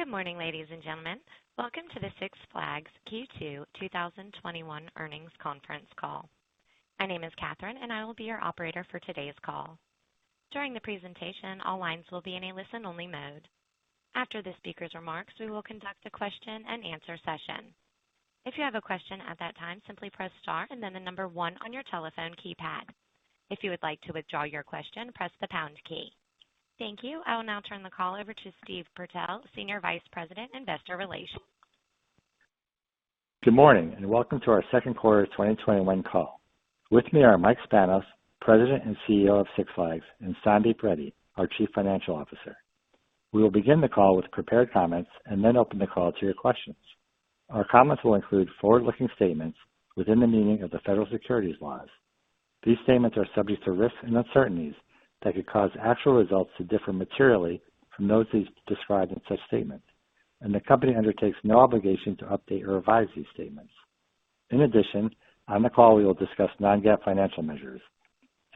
Good morning, ladies and gentlemen. Welcome to the Six Flags Q2 2021 earnings conference call. My name is Catherine, and I will be your operator for today's call. During the presentation, all lines will be in a listen-only mode. After the speaker's remarks, we will conduct a question-and-answer session. if you have a question at that time, simply press star and then the number one on your telephone keypad. If you would like to withdraw your question, press the pound key. Thank you. I will now turn the call over to Steve Purtell, Senior Vice President, Investor Relations. Good morning, welcome to our second quarter 2021 call. With me are Mike Spanos, President and CEO of Six Flags, and Sandeep Reddy, our Chief Financial Officer. We will begin the call with prepared comments then open the call to your questions. Our comments will include forward-looking statements within the meaning of the federal securities laws. These statements are subject to risks and uncertainties that could cause actual results to differ materially from those described in such statements, and the company undertakes no obligation to update or revise these statements. In addition, on the call, we will discuss non-GAAP financial measures.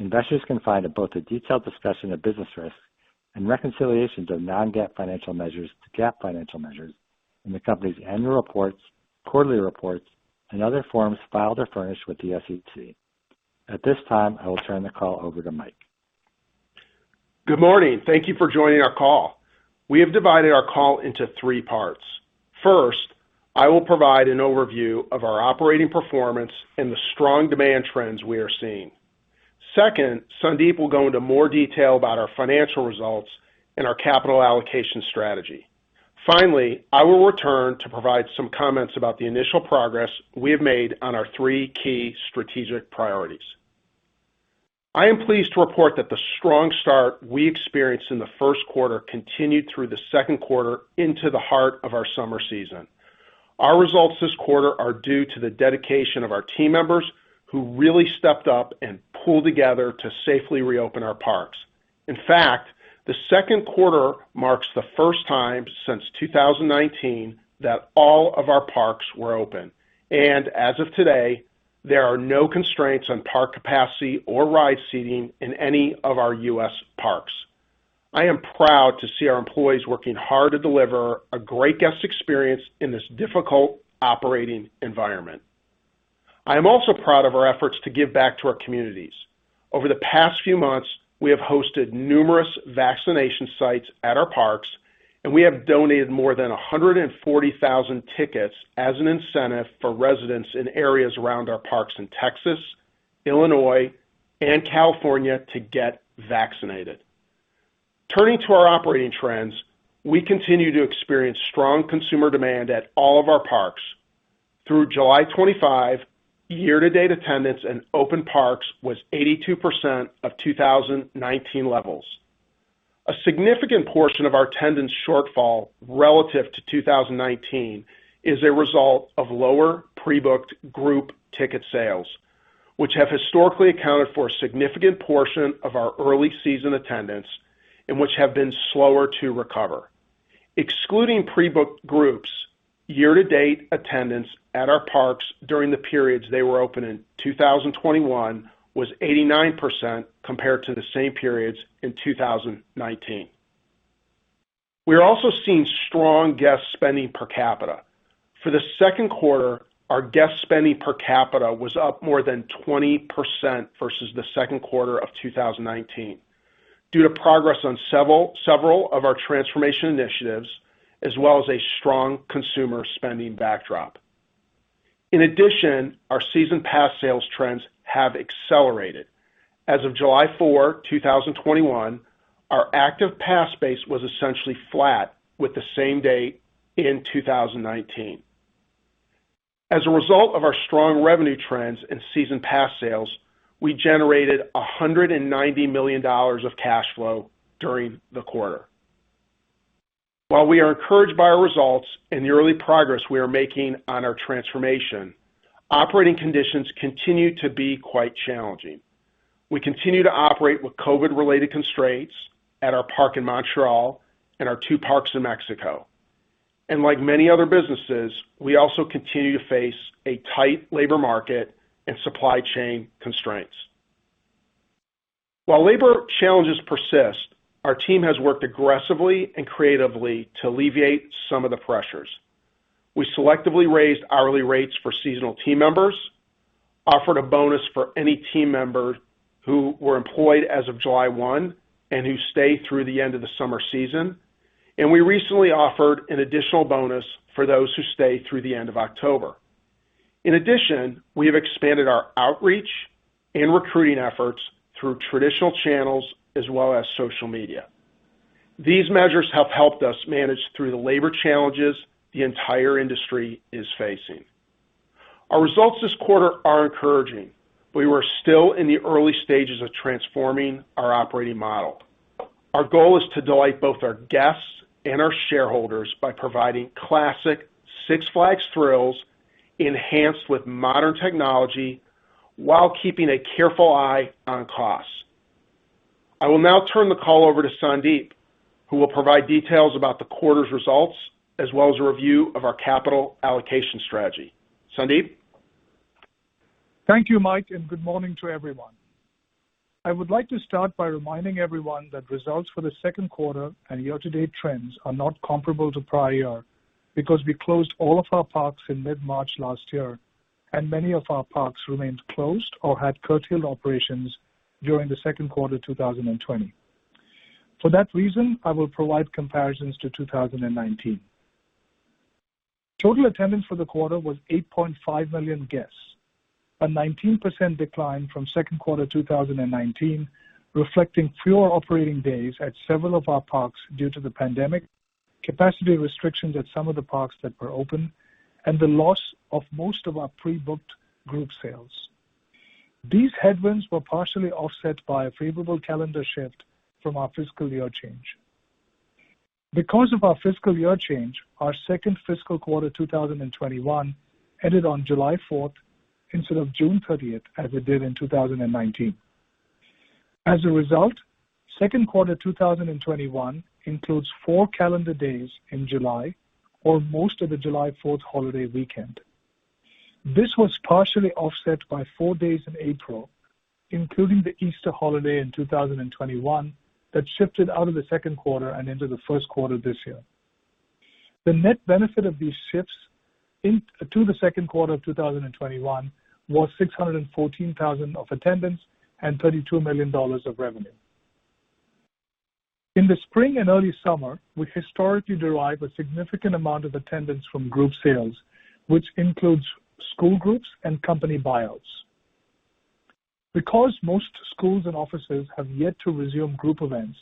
Investors can find both a detailed discussion of business risks and reconciliations of non-GAAP financial measures to GAAP financial measures in the company's annual reports, quarterly reports, and other forms filed or furnished with the SEC. At this time, I will turn the call over to Mike. Good morning. Thank you for joining our call. We have divided our call into three parts. First, I will provide an overview of our operating performance and the strong demand trends we are seeing. Second, Sandeep will go into more detail about our financial results and our capital allocation strategy. Finally, I will return to provide some comments about the initial progress we have made on our three key strategic priorities. I am pleased to report that the strong start we experienced in the first quarter continued through the second quarter into the heart of our summer season. Our results this quarter are due to the dedication of our team members who really stepped up and pulled together to safely reopen our parks. In fact, the second quarter marks the first time since 2019 that all of our parks were open. As of today, there are no constraints on park capacity or ride seating in any of our U.S. parks. I am proud to see our employees working hard to deliver a great guest experience in this difficult operating environment. I am also proud of our efforts to give back to our communities. Over the past few months, we have hosted numerous vaccination sites at our parks, and we have donated more than 140,000 tickets as an incentive for residents in areas around our parks in Texas, Illinois, and California to get vaccinated. Turning to our operating trends, we continue to experience strong consumer demand at all of our parks. Through July 25, year-to-date attendance in open parks was 82% of 2019 levels. A significant portion of our attendance shortfall relative to 2019 is a result of lower pre-booked group ticket sales, which have historically accounted for a significant portion of our early-season attendance and which have been slower to recover. Excluding pre-booked groups, year-to-date attendance at our parks during the periods they were open in 2021 was 89% compared to the same periods in 2019. We're also seeing strong guest spending per capita. For the second quarter, our guest spending per capita was up more than 20% versus the second quarter of 2019 due to progress on several of our transformation initiatives, as well as a strong consumer spending backdrop. In addition, our season pass sales trends have accelerated. As of July 4, 2021, our active pass base was essentially flat with the same day in 2019. As a result of our strong revenue trends and season pass sales, we generated $190 million of cash flow during the quarter. While we are encouraged by our results and the early progress we are making on our transformation, operating conditions continue to be quite challenging. We continue to operate with COVID-related constraints at our park in Montreal and our two parks in Mexico. Like many other businesses, we also continue to face a tight labor market and supply chain constraints. While labor challenges persist, our team has worked aggressively and creatively to alleviate some of the pressures. We selectively raised hourly rates for seasonal team members, offered a bonus for any team member who were employed as of July 1 and who stayed through the end of the summer season, and we recently offered an additional bonus for those who stay through the end of October. In addition, we have expanded our outreach and recruiting efforts through traditional channels as well as social media. These measures have helped us manage through the labor challenges the entire industry is facing. Our results this quarter are encouraging, but we are still in the early stages of transforming our operating model. Our goal is to delight both our guests and our shareholders by providing classic Six Flags thrills enhanced with modern technology while keeping a careful eye on costs. I will now turn the call over to Sandeep, who will provide details about the quarter's results, as well as a review of our capital allocation strategy. Sandeep? Thank you, Mike, and good morning to everyone. I would like to start by reminding everyone that results for the second quarter and year-to-date trends are not comparable to prior year because we closed all of our parks in mid-March last year, and many of our parks remained closed or had curtailed operations during the second quarter 2020. For that reason, I will provide comparisons to 2019. Total attendance for the quarter was 8.5 million guests, a 19% decline from second quarter 2019, reflecting fewer operating days at several of our parks due to the pandemic, capacity restrictions at some of the parks that were open, and the loss of most of our pre-booked group sales. These headwinds were partially offset by a favorable calendar shift from our fiscal year change. Because of our fiscal year change, our second fiscal quarter 2021 ended on July 4th instead of June 30th, as it did in 2019. As a result, second quarter 2021 includes four calendar days in July or most of the July 4th holiday weekend. This was partially offset by four days in April, including the Easter holiday in 2021 that shifted out of the second quarter and into the first quarter this year. The net benefit of these shifts to the second quarter of 2021 was 614,000 of attendance and $32 million of revenue. In the spring and early summer, we historically derive a significant amount of attendance from group sales, which includes school groups and company buyouts. Because most schools and offices have yet to resume group events,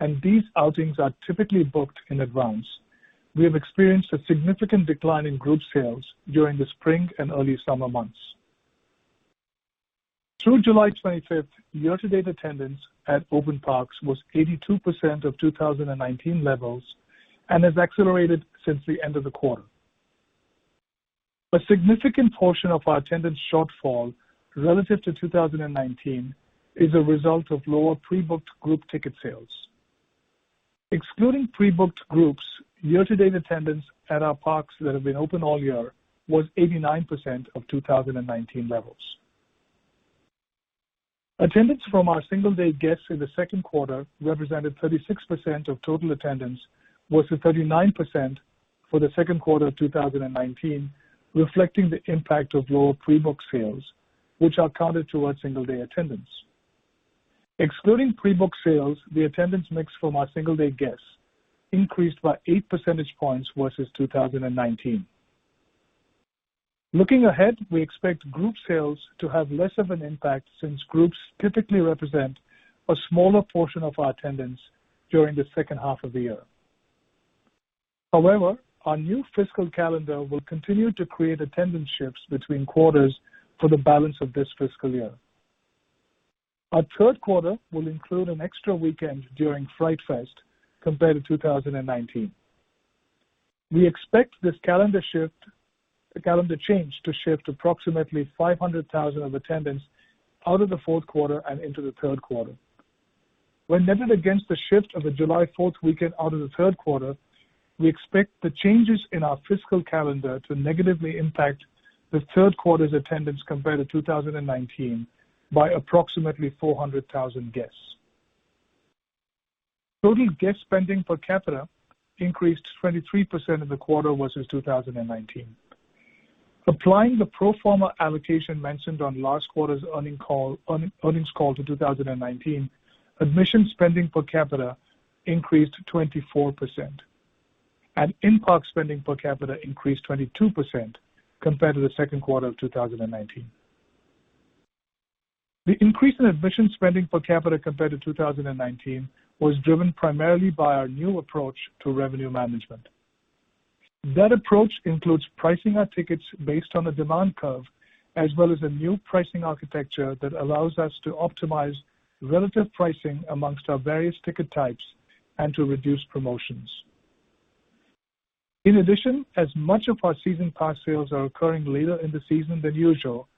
and these outings are typically booked in advance, we have experienced a significant decline in group sales during the spring and early summer months. Through July 25th, year-to-date attendance at open parks was 82% of 2019 levels and has accelerated since the end of the quarter. A significant portion of our attendance shortfall relative to 2019 is a result of lower pre-booked group ticket sales. Excluding pre-booked groups, year-to-date attendance at our parks that have been open all year was 89% of 2019 levels. Attendance from our single-day guests in the second quarter represented 36% of total attendance versus 39% for the second quarter of 2019, reflecting the impact of lower pre-booked sales, which are counted towards single-day attendance. Excluding pre-booked sales, the attendance mix from our single-day guests increased by 8 percentage points versus 2019. Looking ahead, we expect group sales to have less of an impact since groups typically represent a smaller portion of our attendance during the second half of the year. However, our new fiscal calendar will continue to create attendance shifts between quarters for the balance of this fiscal year. Our third quarter will include an extra weekend during Fright Fest compared to 2019. We expect this calendar change to shift approximately 500,000 of attendance out of the fourth quarter and into the third quarter. When netted against the shift of the July 4th weekend out of the third quarter, we expect the changes in our fiscal calendar to negatively impact the third quarter's attendance compared to 2019 by approximately 400,000 guests. Total guest spending per capita increased 23% in the quarter versus 2019. Applying the pro forma allocation mentioned on last quarter's earnings call to 2019, admission spending per capita increased 24% and in-park spending per capita increased 22% compared to the second quarter of 2019. The increase in admission spending per capita compared to 2019 was driven primarily by our new approach to revenue management. That approach includes pricing our tickets based on a demand curve, as well as a new pricing architecture that allows us to optimize relative pricing amongst our various ticket types and to reduce promotions. In addition, as much of our season pass sales are occurring later in the season than usual,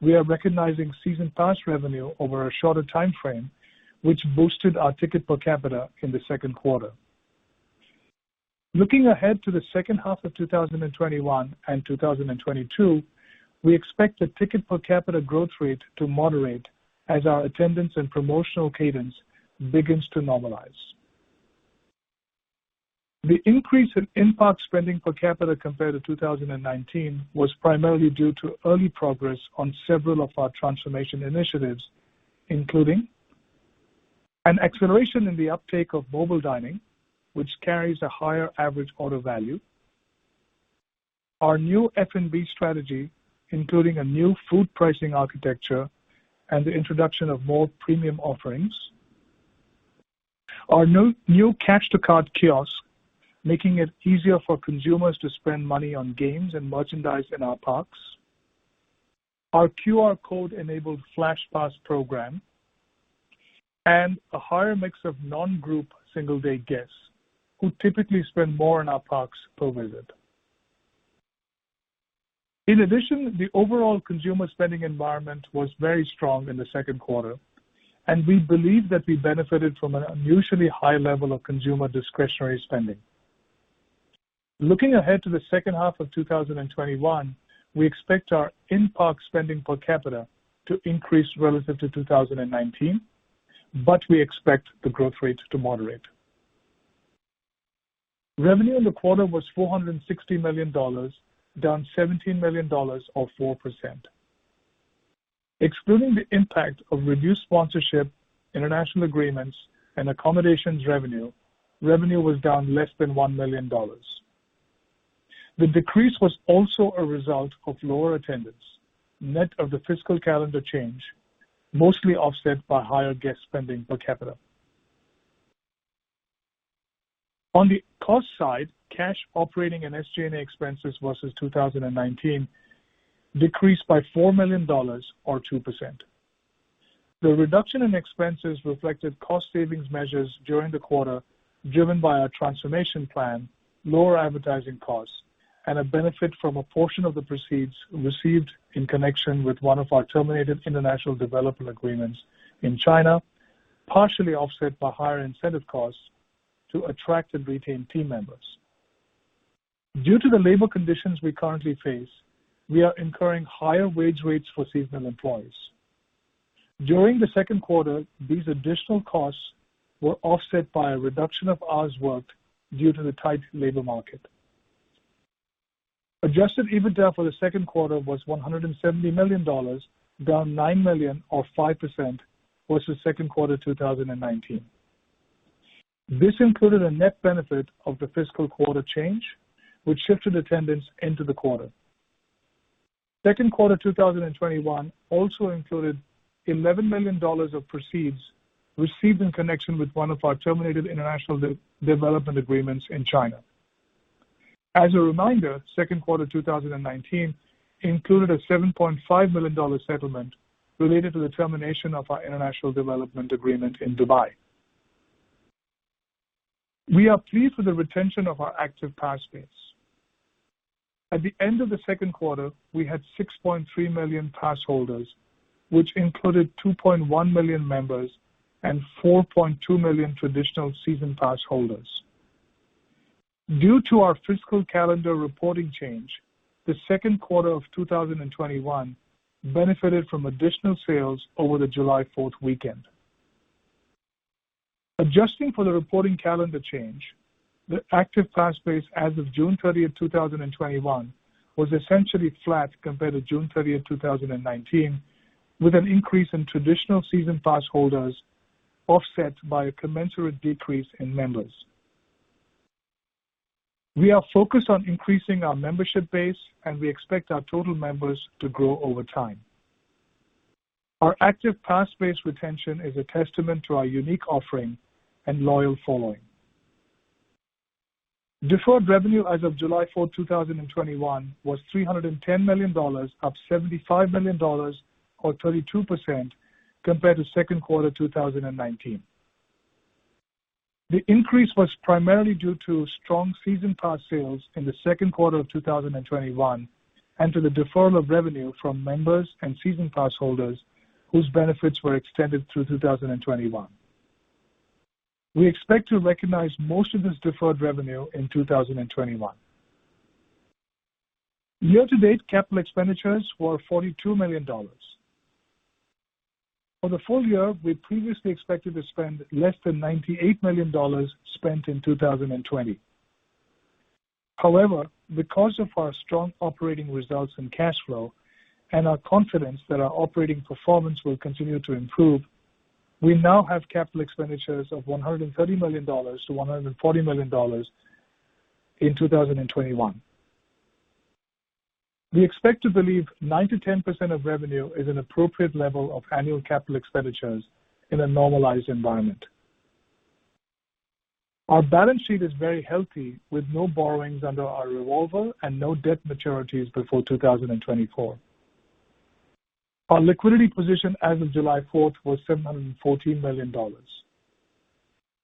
we are recognizing season pass revenue over a shorter timeframe, which boosted our ticket per capita in the second quarter. Looking ahead to the second half of 2021 and 2022, we expect the ticket per capita growth rate to moderate as our attendance and promotional cadence begins to normalize. The increase in in-park spending per capita compared to 2019 was primarily due to early progress on several of our transformation initiatives, including an acceleration in the uptake of mobile dining, which carries a higher average order value. Our new F&B strategy, including a new food pricing architecture and the introduction of more premium offerings. Our new cash-to-card kiosk, making it easier for consumers to spend money on games and merchandise in our parks. Our QR code-enabled Flash Pass program. A higher mix of non-group single-day guests who typically spend more in our parks per visit. The overall consumer spending environment was very strong in the second quarter, and we believe that we benefited from an unusually high level of consumer discretionary spending. Looking ahead to the second half of 2021, we expect our in-park spending per capita to increase relative to 2019, but we expect the growth rates to moderate. Revenue in the quarter was $460 million, down $17 million, or 4%. Excluding the impact of reduced sponsorship, international agreements, and accommodations revenue was down less than $1 million. The decrease was also a result of lower attendance, net of the fiscal calendar change, mostly offset by higher guest spending per capita. On the cost side, cash operating and SG&A expenses versus 2019 decreased by $4 million, or 2%. The reduction in expenses reflected cost savings measures during the quarter, driven by our transformation plan, lower advertising costs, and a benefit from a portion of the proceeds received in connection with one of our terminated international development agreements in China, partially offset by higher incentive costs to attract and retain team members. Due to the labor conditions we currently face, we are incurring higher wage rates for seasonal employees. During the second quarter, these additional costs were offset by a reduction of hours worked due to the tight labor market. Adjusted EBITDA for the second quarter was $170 million, down $9 million or 5% versus second quarter 2019. This included a net benefit of the fiscal quarter change, which shifted attendance into the quarter. Second quarter 2021 also included $11 million of proceeds received in connection with one of our terminated international development agreements in China. As a reminder, second quarter 2019 included a $7.5 million settlement related to the termination of our international development agreement in Dubai. We are pleased with the retention of our active pass base. At the end of the second quarter, we had 6.3 million pass holders, which included 2.1 million members and 4.2 million traditional season pass holders. Due to our fiscal calendar reporting change, the second quarter of 2021 benefited from additional sales over the July 4th weekend. Adjusting for the reporting calendar change, the active pass base as of June 30th, 2021, was essentially flat compared to June 30th, 2019, with an increase in traditional season pass holders offset by a commensurate decrease in members. We are focused on increasing our membership base, and we expect our total members to grow over time. Our active pass base retention is a testament to our unique offering and loyal following. Deferred revenue as of July 4th, 2021, was $310 million, up $75 million or 32% compared to second quarter 2019. The increase was primarily due to strong season pass sales in the second quarter of 2021 and to the deferral of revenue from members and season pass holders whose benefits were extended through 2021. We expect to recognize most of this deferred revenue in 2021. Year to date CapEx were $42 million. For the full year, we previously expected to spend less than $98 million spent in 2020. Because of our strong operating results and cash flow and our confidence that our operating performance will continue to improve, we now have CapEx of $130 million-$140 million in 2021. We expect to believe 9%-10% of revenue is an appropriate level of annual CapEx in a normalized environment. Our balance sheet is very healthy, with no borrowings under our revolver and no debt maturities before 2024. Our liquidity position as of July 4th was $714 million.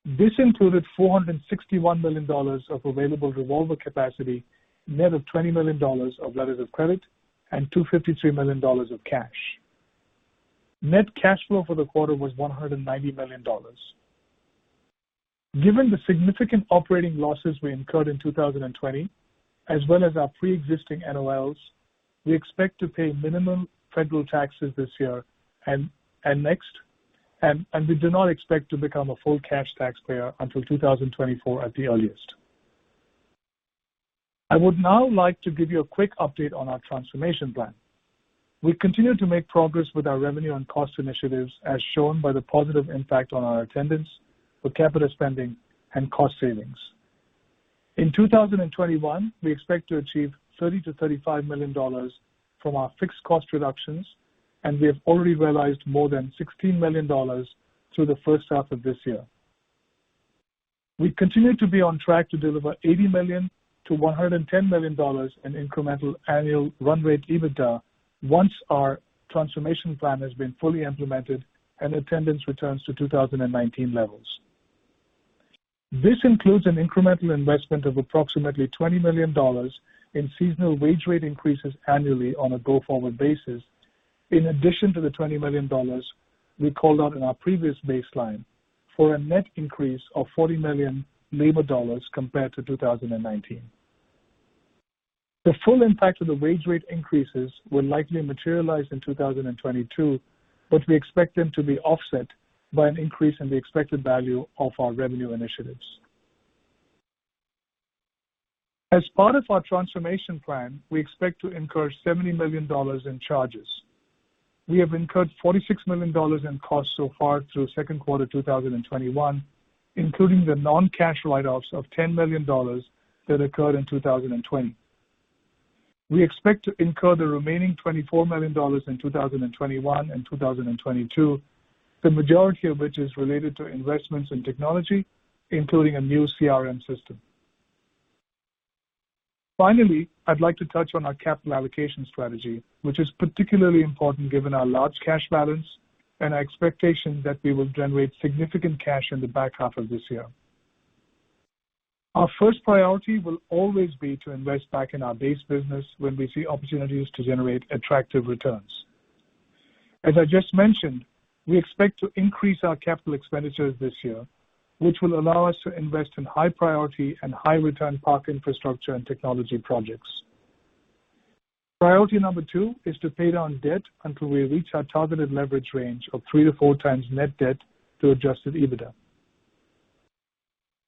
This included $461 million of available revolver capacity, net of $20 million of letters of credit and $253 million of cash. Net cash flow for the quarter was $190 million. Given the significant operating losses we incurred in 2020, as well as our preexisting NOLs, we expect to pay minimum federal taxes this year and next, and we do not expect to become a full cash taxpayer until 2024 at the earliest. I would now like to give you a quick update on our transformation plan. We continue to make progress with our revenue and cost initiatives, as shown by the positive impact on our attendance, per capita spending, and cost savings. In 2021, we expect to achieve $30 million-$35 million from our fixed cost reductions, and we have already realized more than $16 million through the first half of this year. We continue to be on track to deliver $80 million-$110 million in incremental annual run rate EBITDA once our transformation plan has been fully implemented and attendance returns to 2019 levels. This includes an incremental investment of approximately $20 million in seasonal wage rate increases annually on a go-forward basis. In addition to the $20 million we called out in our previous baseline for a net increase of $40 million labor dollars compared to 2019. The full impact of the wage rate increases will likely materialize in 2022, but we expect them to be offset by an increase in the expected value of our revenue initiatives. As part of our transformation plan, we expect to incur $70 million in charges. We have incurred $46 million in costs so far through second quarter 2021, including the non-cash write-offs of $10 million that occurred in 2020. We expect to incur the remaining $24 million in 2021 and 2022, the majority of which is related to investments in technology, including a new CRM system. Finally, I'd like to touch on our capital allocation strategy, which is particularly important given our large cash balance and our expectation that we will generate significant cash in the back half of this year. Our first priority will always be to invest back in our base business when we see opportunities to generate attractive returns. As I just mentioned, we expect to increase our capital expenditures this year, which will allow us to invest in high-priority and high-return park infrastructure and technology projects. Priority number two is to pay down debt until we reach our targeted leverage range of 3x-4x net debt to adjusted EBITDA.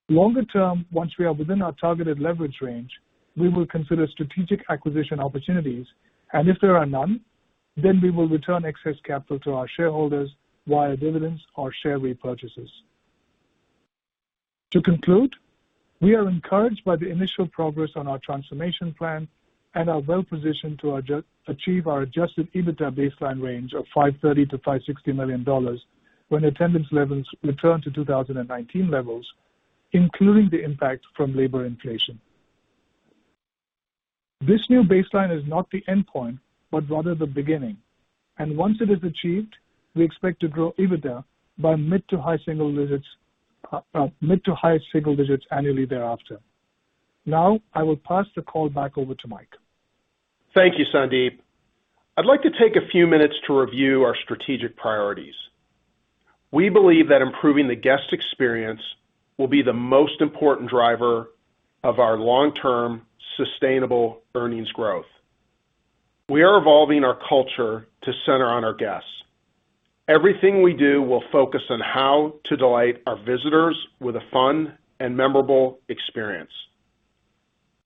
Longer-term, once we are within our targeted leverage range, we will consider strategic acquisition opportunities, and if there are none, then we will return excess capital to our shareholders via dividends or share repurchases. To conclude, we are encouraged by the initial progress on our transformation plan and are well-positioned to achieve our adjusted EBITDA baseline range of $530 million-$560 million when attendance levels return to 2019 levels, including the impact from labor inflation. This new baseline is not the endpoint, but rather the beginning, and once it is achieved, we expect to grow EBITDA by mid to high-single-digits annually thereafter. Now, I will pass the call back over to Mike. Thank you, Sandeep. I'd like to take a few minutes to review our strategic priorities. We believe that improving the guest experience will be the most important driver of our long-term sustainable earnings growth. We are evolving our culture to center on our guests. Everything we do will focus on how to delight our visitors with a fun and memorable experience.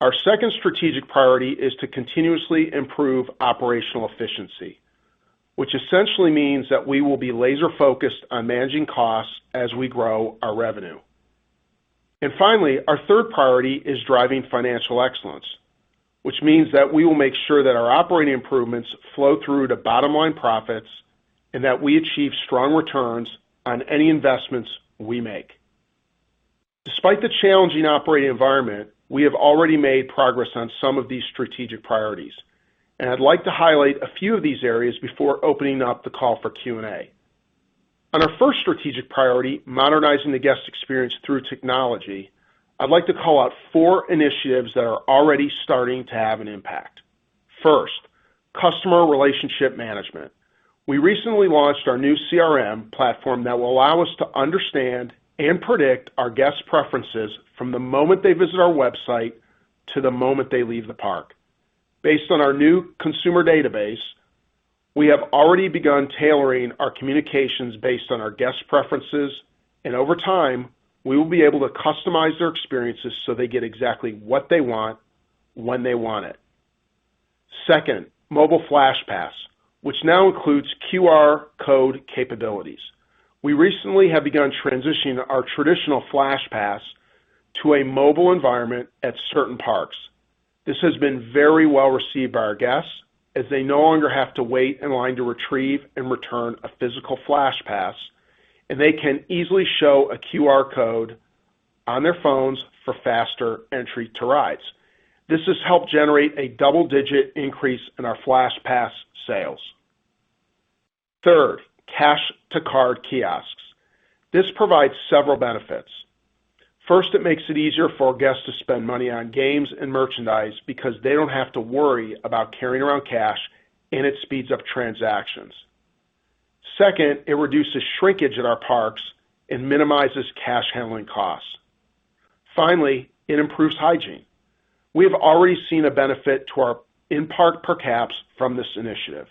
Our second strategic priority is to continuously improve operational efficiency, which essentially means that we will be laser-focused on managing costs as we grow our revenue. Finally, our third priority is driving financial excellence, which means that we will make sure that our operating improvements flow through to bottom-line profits and that we achieve strong returns on any investments we make. Despite the challenging operating environment, we have already made progress on some of these strategic priorities. I'd like to highlight a few of these areas before opening up the call for Q&A. On our first strategic priority, modernizing the guest experience through technology, I'd like to call out four initiatives that are already starting to have an impact. First, customer relationship management. We recently launched our new CRM platform that will allow us to understand and predict our guests' preferences from the moment they visit our website to the moment they leave the park. Based on our new consumer database, we have already begun tailoring our communications based on our guests' preferences. Over time, we will be able to customize their experiences so they get exactly what they want, when they want it. Second, mobile Flash Pass, which now includes QR code capabilities. We recently have begun transitioning our traditional Flash Pass to a mobile environment at certain parks. This has been very well received by our guests as they no longer have to wait in line to retrieve and return a physical Flash Pass, and they can easily show a QR code on their phones for faster entry to rides. This has helped generate a double-digit increase in our Flash Pass sales. Third, cash-to-card kiosks. This provides several benefits. First, it makes it easier for our guests to spend money on games and merchandise because they don't have to worry about carrying around cash, and it speeds up transactions. Second, it reduces shrinkage at our parks and minimizes cash handling costs. Finally, it improves hygiene. We have already seen a benefit to our in-park per caps from this initiative.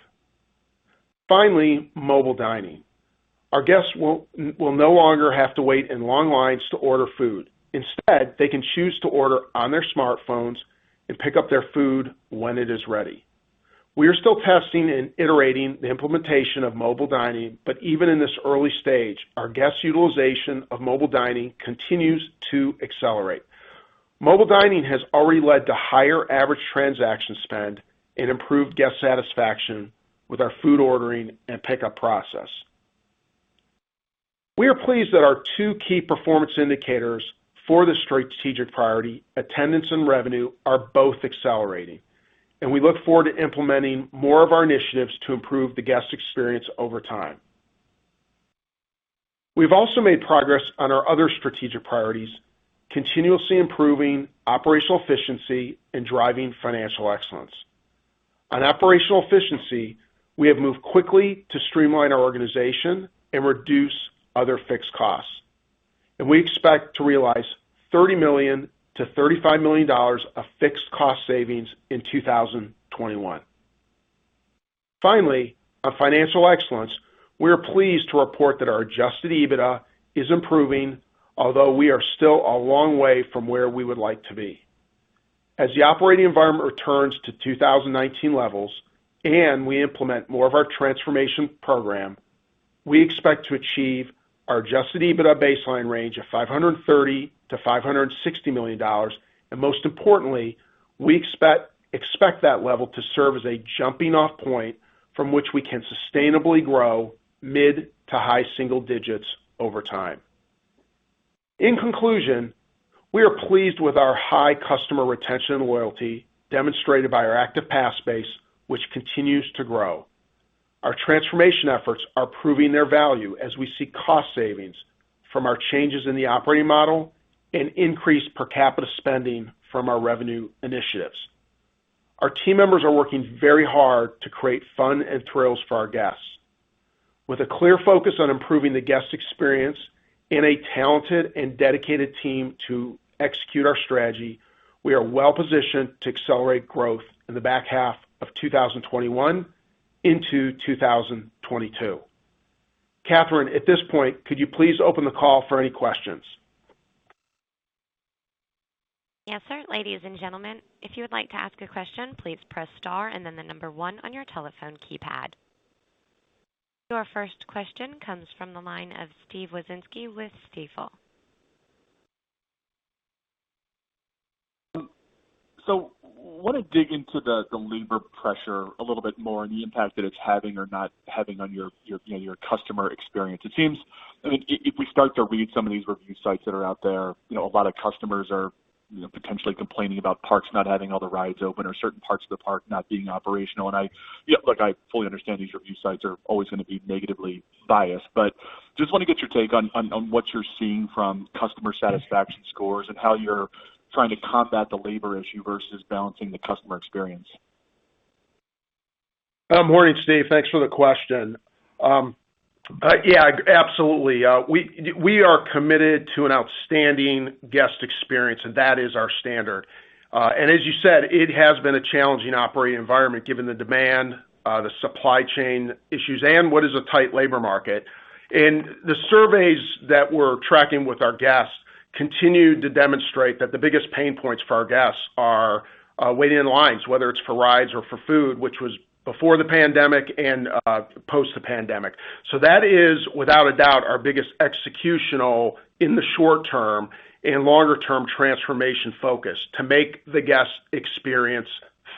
Finally, mobile dining. Our guests will no longer have to wait in long lines to order food. Instead, they can choose to order on their smartphones and pick up their food when it is ready. We are still testing and iterating the implementation of mobile dining, but even in this early stage, our guests' utilization of mobile dining continues to accelerate. Mobile dining has already led to higher average transaction spend and improved guest satisfaction with our food ordering and pickup process. We are pleased that our two key performance indicators for this strategic priority, attendance and revenue, are both accelerating, and we look forward to implementing more of our initiatives to improve the guest experience over time. We've also made progress on our other strategic priorities, continuously improving operational efficiency and driving financial excellence. On operational efficiency, we have moved quickly to streamline our organization and reduce other fixed costs. We expect to realize $30 million-$35 million of fixed cost savings in 2021. Finally, on financial excellence, we are pleased to report that our adjusted EBITDA is improving, although we are still a long way from where we would like to be. As the operating environment returns to 2019 levels, and we implement more of our transformation program, we expect to achieve our adjusted EBITDA baseline range of $530 million-$560 million. Most importantly, we expect that level to serve as a jumping-off point from which we can sustainably grow mid to high-single-digits over time. In conclusion, we are pleased with our high customer retention and loyalty demonstrated by our active pass base, which continues to grow. Our transformation efforts are proving their value as we see cost savings from our changes in the operating model and increased per capita spending from our revenue initiatives. Our team members are working very hard to create fun and thrills for our guests. With a clear focus on improving the guest experience and a talented and dedicated team to execute our strategy, we are well-positioned to accelerate growth in the back half of 2021 into 2022. Catherine, at this point, could you please open the call for any questions? Yes, sir. Ladies and gentlemen, if you would like to ask a question, please press star and then the number one on your telephone keypad. Your first question comes from the line of Steve Wieczynski with Stifel. Want to dig into the labor pressure a little bit more and the impact that it's having or not having on your customer experience. It seems, I mean, if we start to read some of these review sites that are out there, a lot of customers are potentially complaining about parks not having all the rides open or certain parts of the park not being operational. I fully understand these review sites are always going to be negatively biased, but just want to get your take on what you're seeing from customer satisfaction scores and how you're trying to combat the labor issue versus balancing the customer experience. Morning, Steve. Thanks for the question. Yeah, absolutely. We are committed to an outstanding guest experience, and that is our standard. As you said, it has been a challenging operating environment given the demand, the supply chain issues, and what is a tight labor market. The surveys that we're tracking with our guests continue to demonstrate that the biggest pain points for our guests are waiting in lines, whether it's for rides or for food, which was before the pandemic and post the pandemic. That is without a doubt our biggest executional in the short-term and longer-term transformation focus. To make the guest experience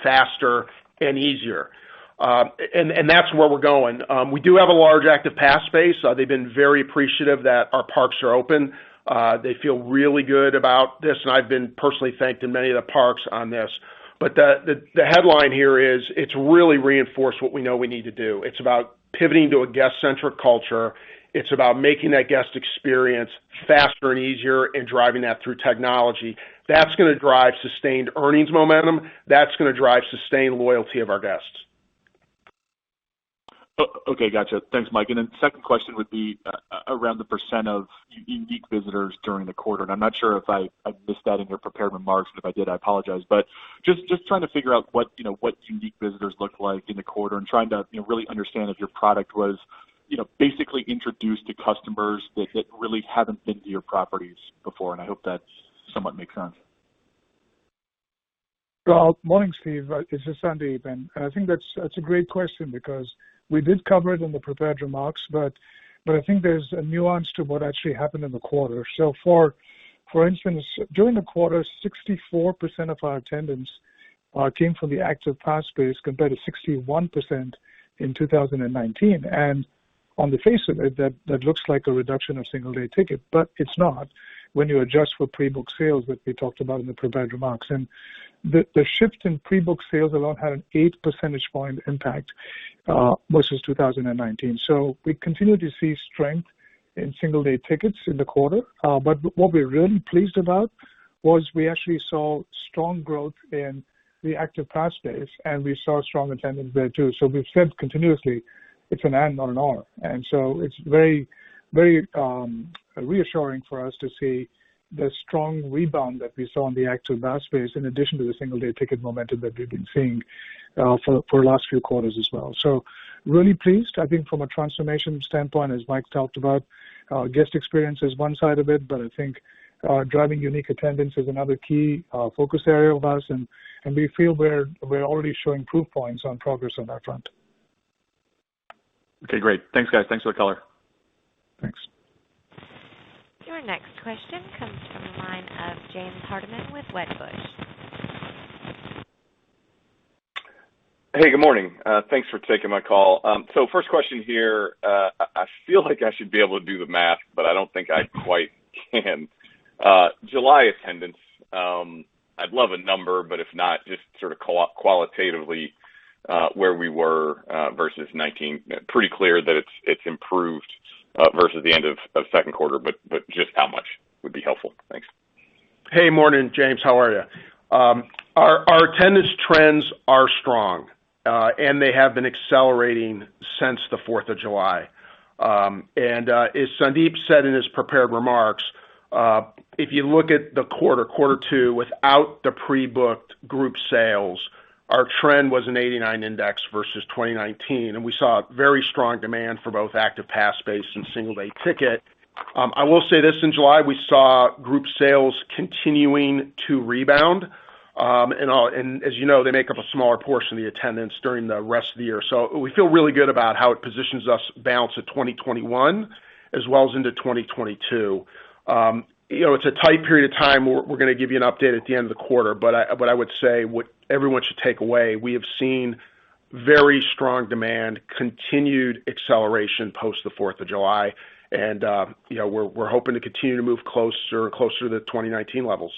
faster and easier. That's where we're going. We do have a large active pass base. They've been very appreciative that our parks are open. They feel really good about this, and I've been personally thanked in many of the parks on this. The headline here is it's really reinforced what we know we need to do. It's about pivoting to a guest-centric culture. It's about making that guest experience faster and easier and driving that through technology. That's going to drive sustained earnings momentum. That's going to drive sustained loyalty of our guests. Okay, gotcha. Thanks, Mike. Second question would be around the percent of unique visitors during the quarter. I'm not sure if I missed that in your prepared remarks, if I did, I apologize. Just trying to figure out what unique visitors looked like in the quarter and trying to really understand if your product was basically introduced to customers that really haven't been to your properties before, and I hope that somewhat makes sense. Well, morning, Steve. This is Sandeep. I think that's a great question because we did cover it in the prepared remarks, but I think there's a nuance to what actually happened in the quarter. For instance, during the quarter, 64% of our attendance came from the active pass base compared to 61% in 2019. On the face of it, that looks like a reduction of single-day ticket, but it's not when you adjust for pre-book sales that we talked about in the prepared remarks. The shift in pre-book sales alone had an 8 percentage point impact versus 2019. We continued to see strength in single-day tickets in the quarter. What we're really pleased about was we actually saw strong growth in the active pass base, and we saw strong attendance there, too. We've said continuously, it's an and, not an or. It's very reassuring for us to see the strong rebound that we saw in the active pass base, in addition to the single-day ticket momentum that we've been seeing for the last few quarters as well. Really pleased. I think from a transformation standpoint, as Mike talked about, guest experience is one side of it, but I think driving unique attendance is another key focus area of ours, and we feel we're already showing proof points on progress on that front. Okay, great. Thanks, guys. Thanks for the color. Thanks. Your next question comes from the line of James Hardiman with Wedbush. Hey, good morning. Thanks for taking my call. First question here. I feel like I should be able to do the math, but I don't think I quite can. July attendance. I'd love a number, but if not, just sort of qualitatively, where we were versus 2019. Pretty clear that it's improved versus the end of second quarter, but just how much would be helpful. Thanks. Hey, morning, James. How are you? Our attendance trends are strong, and they have been accelerating since the 4th of July. As Sandeep said in his prepared remarks, if you look at the quarter two, without the pre-booked group sales, our trend was an 89 index versus 2019, and we saw very strong demand for both active pass base and single-day ticket. I will say this, in July, we saw group sales continuing to rebound. As you know, they make up a smaller portion of the attendance during the rest of the year. We feel really good about how it positions us bounce to 2021 as well as into 2022. It's a tight period of time. We're going to give you an update at the end of the quarter. I would say what everyone should take away, we have seen very strong demand, continued acceleration post the 4th of July, and we're hoping to continue to move closer to the 2019 levels.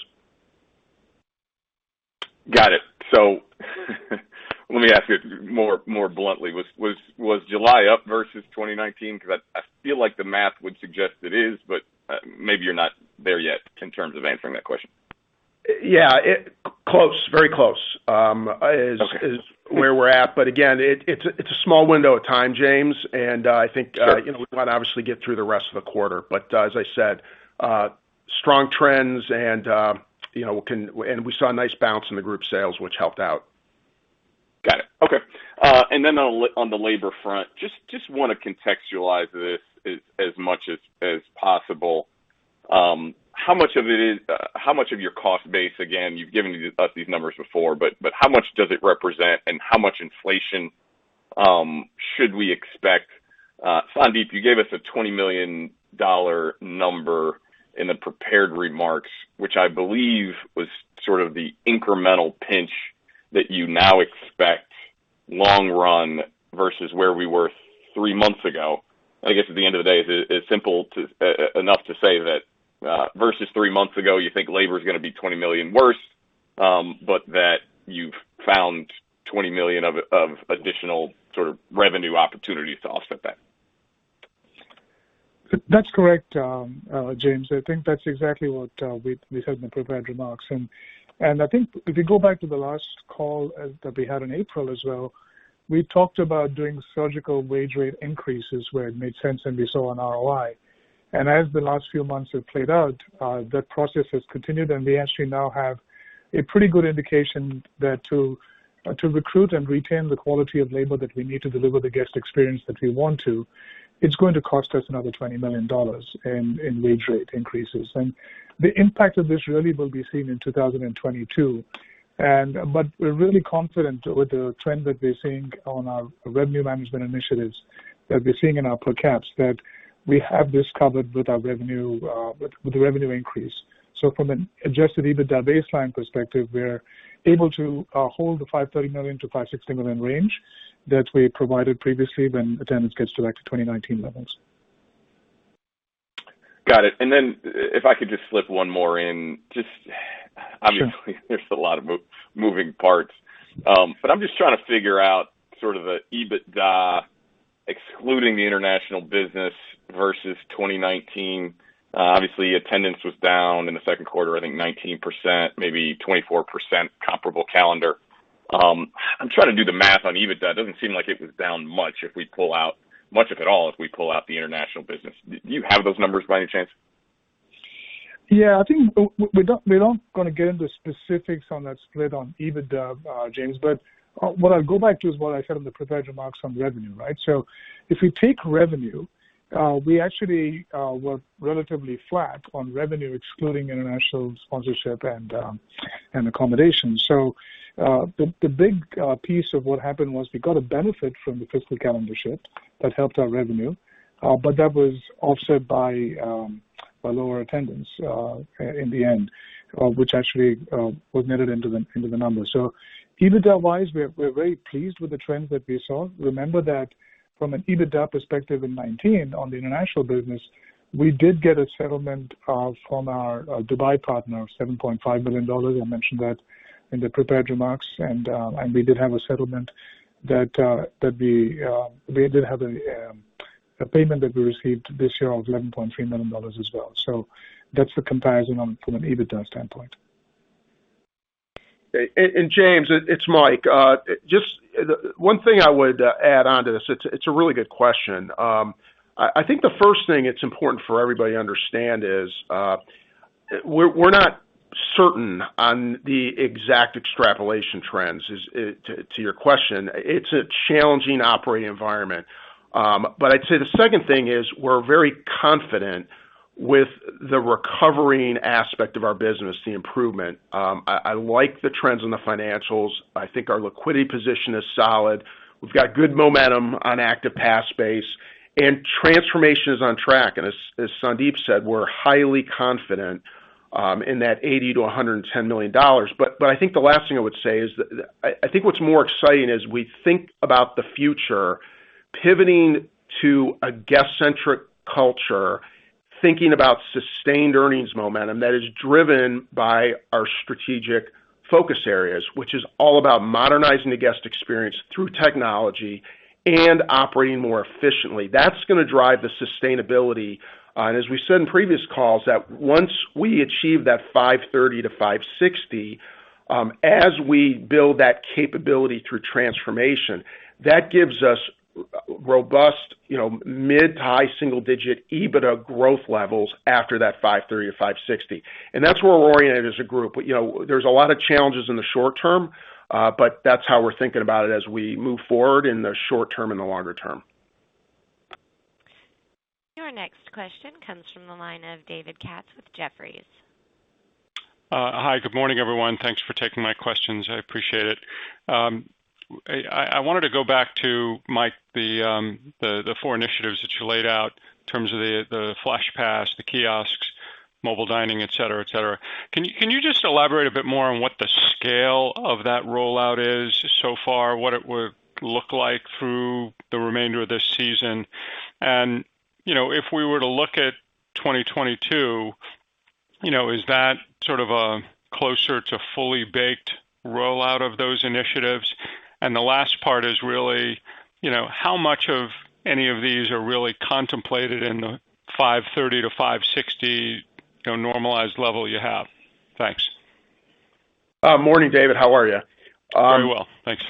Got it. Let me ask you more bluntly. Was July up versus 2019? I feel like the math would suggest it is, but maybe you're not there yet in terms of answering that question. Yeah. Close. Very close is where we're at. Again, it's a small window of time, James. We want to obviously get through the rest of the quarter. As I said, strong trends and we saw a nice bounce in the group sales, which helped out. Got it. Okay. On the labor front, just want to contextualize this as much as possible. How much of your cost base, again, you've given us these numbers before, but how much does it represent, and how much inflation should we expect? Sandeep, you gave us a $20 million number in the prepared remarks, which I believe was sort of the incremental pinch that you now expect long run versus where we were three months ago. I guess at the end of the day, it's simple enough to say that versus three months ago, you think labor is going to be $20 million worse, but that you've found $20 million of additional sort of revenue opportunities to offset that. That's correct, James. I think that's exactly what we said in the prepared remarks. I think if you go back to the last call that we had in April as well, we talked about doing surgical wage rate increases where it made sense and we saw an ROI. As the last few months have played out, that process has continued, and we actually now have a pretty good indication that to recruit and retain the quality of labor that we need to deliver the guest experience that we want to, it's going to cost us another $20 million in wage rate increases. The impact of this really will be seen in 2022. We're really confident with the trend that we're seeing on our revenue management initiatives, that we're seeing in our per caps, that we have this covered with the revenue increase. From an adjusted EBITDA baseline perspective, we're able to hold the $530 million-$560 million range that we provided previously when attendance gets to back to 2019 levels. Got it. If I could just slip one more in. Obviously, there's a lot of moving parts. I'm just trying to figure out sort of the EBITDA excluding the international business versus 2019. Obviously, attendance was down in the second quarter, I think 19%, maybe 24% comparable calendar. I'm trying to do the math on EBITDA. It doesn't seem like it was down much, much of it all, if we pull out the international business. Do you have those numbers by any chance? Yeah. I think we're not going to get into specifics on that split on EBITDA, James. What I'll go back to is what I said in the prepared remarks on revenue, right? If we take revenue, we actually were relatively flat on revenue excluding international sponsorship and accommodation. The big piece of what happened was we got a benefit from the fiscal calendar shift that helped our revenue. That was offset by lower attendance in the end, which actually was netted into the numbers. EBITDA wise, we're very pleased with the trends that we saw. Remember that from an EBITDA perspective in 2019 on the international business, we did get a settlement from our Dubai partner of $7.5 million. I mentioned that in the prepared remarks. We did have a settlement. We did have a payment that we received this year of $11.3 million as well. That's the comparison from an EBITDA standpoint. James, it's Mike. Just one thing I would add onto this. It's a really good question. I think the first thing that's important for everybody to understand is, we're not certain on the exact extrapolation trends, to your question. It's a challenging operating environment. I'd say the second thing is we're very confident with the recovering aspect of our business, the improvement. I like the trends in the financials. I think our liquidity position is solid. We've got good momentum on active pass base, and transformation is on track. As Sandeep said, we're highly confident in that $80 million-$110 million. I think the last thing I would say is, I think what's more exciting as we think about the future. Pivoting to a guest-centric culture, thinking about sustained earnings momentum that is driven by our strategic focus areas, which is all about modernizing the guest experience through technology and operating more efficiently. That's going to drive the sustainability. As we said in previous calls, that once we achieve that $530 million-$560 million, as we build that capability through transformation, that gives us robust, mid to high-single-digit EBITDA growth levels after that $530 million-$560 million. That's where we're oriented as a group. There's a lot of challenges in the short-term, but that's how we're thinking about it as we move forward in the short-term and the longer-term. Your next question comes from the line of David Katz with Jefferies. Hi, good morning, everyone. Thanks for taking my questions. I appreciate it. I wanted to go back to, Mike, the four initiatives that you laid out in terms of the Flash Pass, the kiosks, mobile dining, et cetera. Can you just elaborate a bit more on what the scale of that rollout is so far, what it would look like through the remainder of this season? If we were to look at 2022, is that sort of closer to fully baked rollout of those initiatives? The last part is really, how much of any of these are really contemplated in the $530 million-$560 million normalized level you have? Thanks. Morning, David. How are you? Very well. Thanks.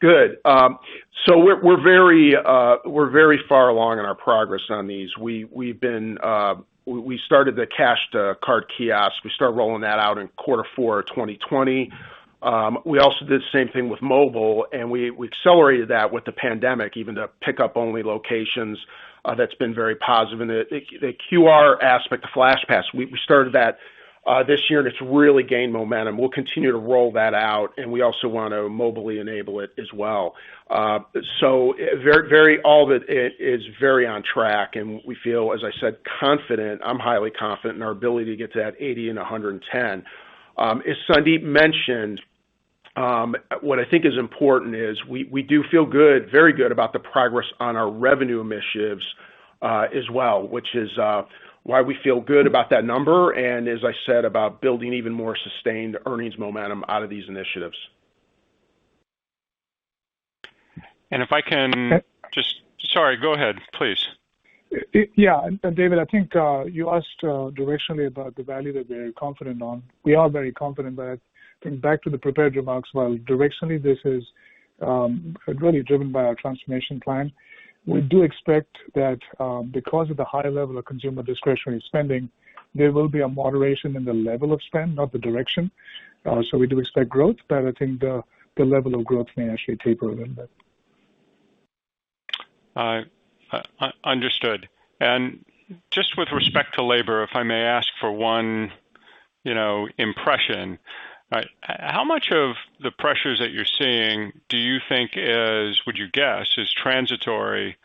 Good. We're very far along in our progress on these. We started the cash-to-card kiosk. We start rolling that out in quarter four of 2020. We also did the same thing with mobile, and we accelerated that with the pandemic, even the pickup only locations. That's been very positive. The QR aspect, the Flash Pass, we started that this year, and it's really gained momentum. We'll continue to roll that out, and we also want to mobily enable it as well. All of it is very on track, and we feel, as I said, confident. I'm highly confident in our ability to get to that 80 and 110. As Sandeep mentioned, what I think is important is we do feel very good about the progress on our revenue initiatives as well, which is why we feel good about that number, and as I said, about building even more sustained earnings momentum out of these initiatives. Sorry, go ahead, please. Yeah. David, I think, you asked directionally about the value that we're confident on. We are very confident that going back to the prepared remarks, while directionally this is really driven by our transformation plan. We do expect that, because of the high level of consumer discretionary spending, there will be a moderation in the level of spend, not the direction. We do expect growth, but I think the level of growth may actually taper a little bit. Understood. Just with respect to labor, if I may ask for one impression. How much of the pressures that you're seeing do you think is, would you guess, is transitory,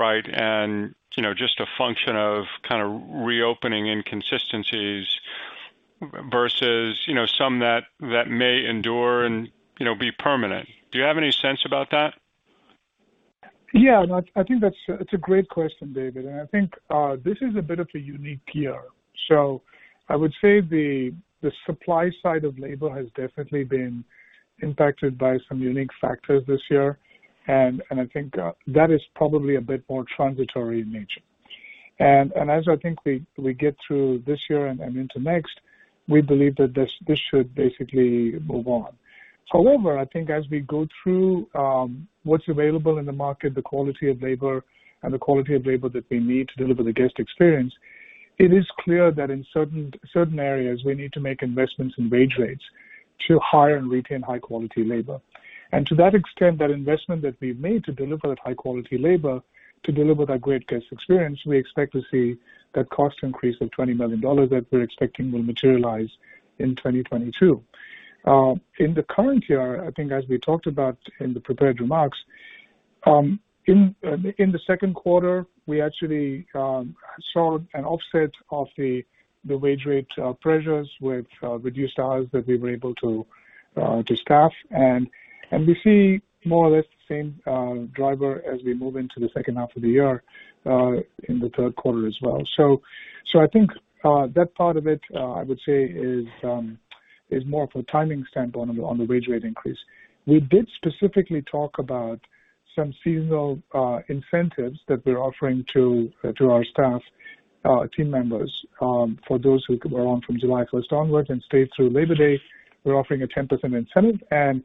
and just a function of kind of reopening inconsistencies versus some that may endure and be permanent? Do you have any sense about that? Yeah, I think that's a great question, David, and I think, this is a bit of a unique year. I would say the supply side of labor has definitely been impacted by some unique factors this year, and I think that is probably a bit more transitory in nature. As I think we get through this year and into next, we believe that this should basically move on. However, I think as we go through what's available in the market, the quality of labor, and the quality of labor that we need to deliver the guest experience, it is clear that in certain areas, we need to make investments in wage rates to hire and retain high quality labor. To that extent, that investment that we've made to deliver that high quality labor, to deliver that great guest experience, we expect to see that cost increase of $20 million that we're expecting will materialize in 2022. In the current year, I think as we talked about in the prepared remarks, in the second quarter, we actually saw an offset of the wage rate pressures with reduced hours that we were able to staff. We see more or less the same driver as we move into the second half of the year, in the third quarter as well. I think that part of it, I would say is more of a timing standpoint on the wage rate increase. We did specifically talk about some seasonal incentives that we're offering to our staff, team members, for those who were on from July 1st onwards and stayed through Labor Day. We're offering a 10% incentive, and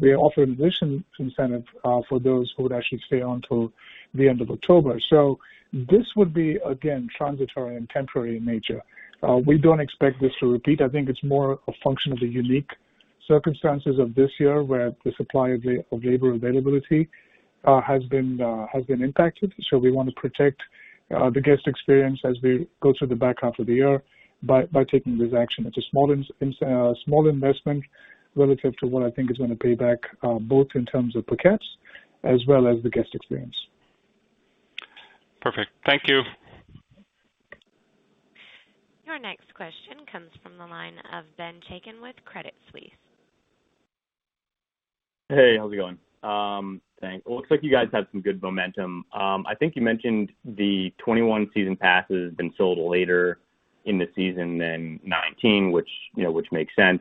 we offer additional incentive for those who would actually stay on till the end of October. This would be, again, transitory and temporary in nature. We don't expect this to repeat. I think it's more a function of the unique circumstances of this year where the supply of labor availability has been impacted. We want to protect the guest experience as we go through the back half of the year by taking this action. It's a small investment relative to what I think is going to pay back, both in terms of per caps as well as the guest experience. Perfect. Thank you. This question comes from the line of Ben Chaiken with Credit Suisse. Hey, how's it going? Thanks. Well, looks like you guys had some good momentum. I think you mentioned the 2021 season passes been sold later in the season than 2019, which makes sense.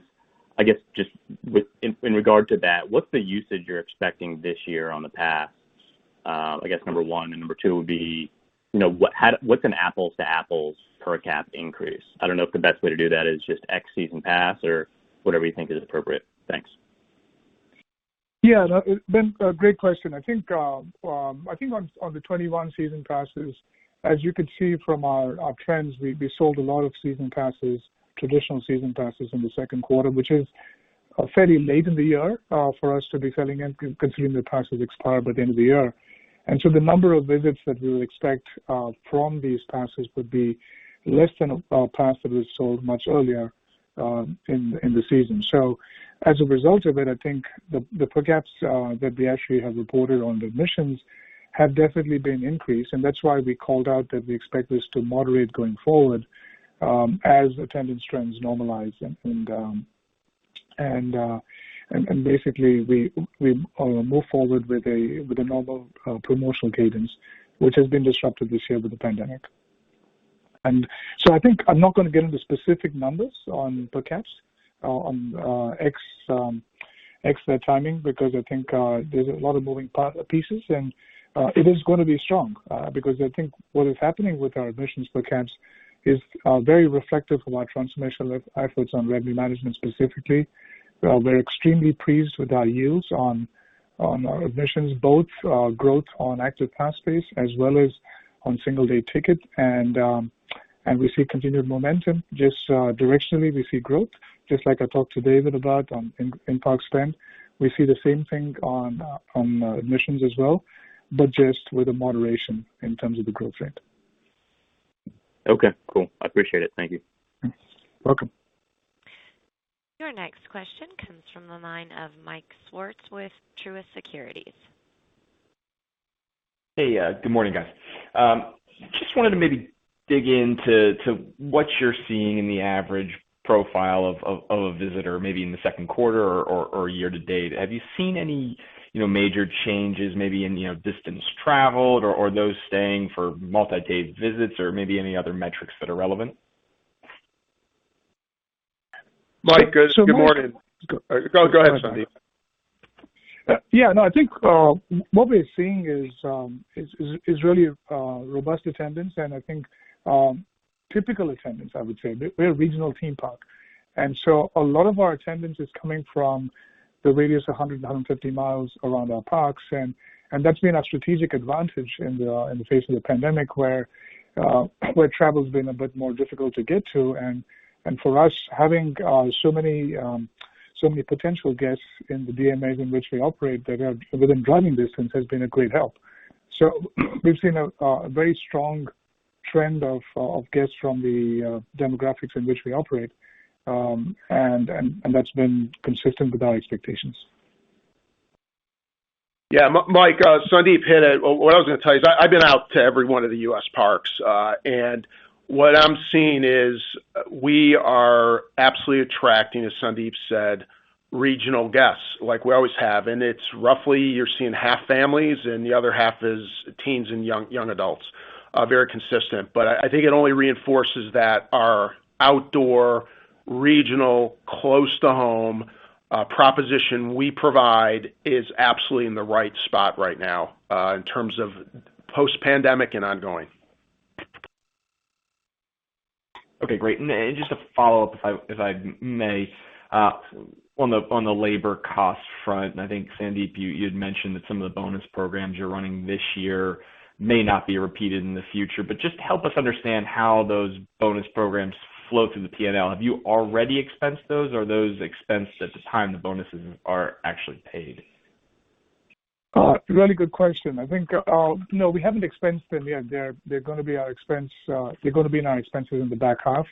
I guess just in regard to that, what's the usage you're expecting this year on the pass? I guess number one and number two would be, what's an apples-to-apples per cap increase? I don't know if the best way to do that is just X season pass or whatever you think is appropriate. Thanks. Yeah, Ben, great question. I think on the 2021 season passes, as you can see from our trends, we sold a lot of season passes, traditional season passes in the second quarter, which is fairly late in the year for us to be selling them, considering the passes expire by the end of the year. The number of visits that we would expect from these passes would be less than a pass that was sold much earlier in the season. As a result of it, I think the per caps that we actually have reported on the admissions have definitely been increased, and that's why we called out that we expect this to moderate going forward, as attendance trends normalize and basically we move forward with a normal promotional cadence, which has been disrupted this year with the pandemic. I think I'm not going to get into specific numbers on per caps, on exact timing because I think there's a lot of moving pieces and it is going to be strong, because I think what is happening with our admissions per caps is very reflective of our transformational efforts on revenue management specifically. We're extremely pleased with our yields on our admissions, both growth on active pass base as well as on single day ticket. We see continued momentum. Just directionally, we see growth, just like I talked to David about in parks spend. We see the same thing on admissions as well, just with a moderation in terms of the growth rate. Okay, cool. I appreciate it. Thank you. You're welcome. Your next question comes from the line of Mike Swartz with Truist Securities. Hey, good morning, guys. Just wanted to maybe dig into what you're seeing in the average profile of a visitor, maybe in the second quarter or year to date. Have you seen any major changes maybe in distance traveled or those staying for multi-day visits or maybe any other metrics that are relevant? Mike, good morning. Go ahead, Sandeep. Yeah, no, I think what we're seeing is really robust attendance and I think typical attendance, I would say. We're a regional theme park, and so a lot of our attendance is coming from the radius of 100-150 mi around our parks, and that's been a strategic advantage in the face of the pandemic where travel's been a bit more difficult to get to. For us, having so many potential guests in the DMAs in which we operate that are within driving distance has been a great help. We've seen a very strong trend of guests from the demographics in which we operate, and that's been consistent with our expectations. Yeah. Mike, Sandeep hit it. What I was going to tell you is I've been out to every one of the U.S. parks, and what I'm seeing is we are absolutely attracting, as Sandeep said, regional guests like we always have. It's roughly you're seeing half families and the other half is teens and young adults. Very consistent, I think it only reinforces that our outdoor, regional, close-to-home proposition we provide is absolutely in the right spot right now in terms of post-pandemic and ongoing. Okay, great. Just a follow-up, if I may. On the labor cost front, and I think Sandeep, you had mentioned that some of the bonus programs you're running this year may not be repeated in the future, but just help us understand how those bonus programs flow through the P&L. Have you already expensed those or are those expensed at the time the bonuses are actually paid? Really good question. I think, no, we haven't expensed them yet. They're going to be in our expenses in the back half,